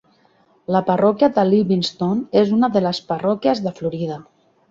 La parròquia de Livingston és una de les parròquies de Florida.